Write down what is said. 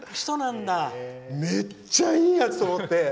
めっちゃいいやつ！と思って。